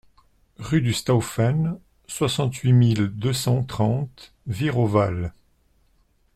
Rue du Stauffen, soixante-huit mille deux cent trente Wihr-au-Val